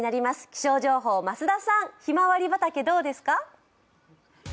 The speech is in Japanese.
気象情報、増田さん、ひまわり畑どうですか？